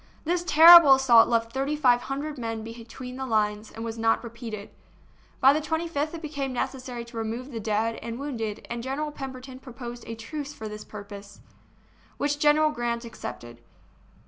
This terrible assault left thirty five hundred men between the lines, and was not repeated. By the 25th it became necessary to remove the dead and wounded, and General Pemberton proposed a truce for this purpose, which General Grant accepted.